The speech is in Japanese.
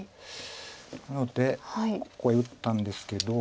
なのでここへ打ったんですけど。